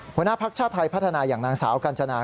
หัวหน้าภักดิ์ชาติไทยพัฒนาอย่างนางสาวกัญจนา